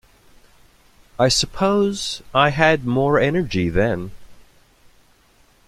I suppose I had more energy then.